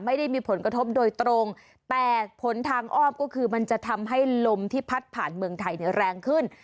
ไม่ได้มีผลกระทบโดยตรงแต่ผลทางอ้อมก็คือมันจะทำให้ลมที่พัดผ่านเมืองไทยเนี่ยแรงขึ้น